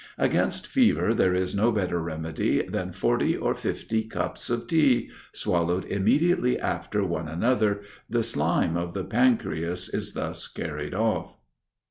Against fever there is no better remedy than forty or fifty cups of tea, swallowed immediately after one another, the slime of the pancreas is thus carried off."